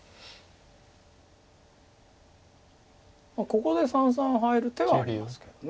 ここで三々入る手はありますけど。